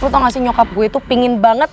lu tau gak sih nyokap gue tuh pingin banget